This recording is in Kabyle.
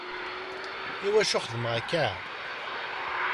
Iwacu xeddmeɣ akka?